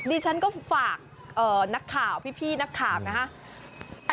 ดิฉันก็ฝากพี่ผู้หนักข่าวนะคะ